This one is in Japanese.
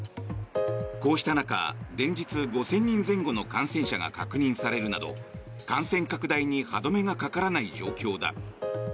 こうした中連日５０００人前後の感染者が確認されるなど感染拡大に歯止めがかからない状況だ。